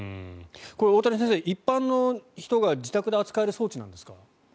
大谷先生、一般の人が自宅で扱える装置なんですか。